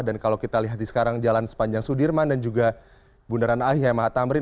dan kalau kita lihat di sekarang jalan sepanjang sudirman dan juga bundaran ahi mahatamrin